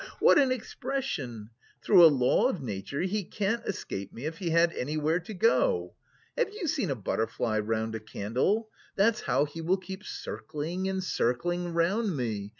What an expression! Through a law of nature he can't escape me if he had anywhere to go. Have you seen a butterfly round a candle? That's how he will keep circling and circling round me.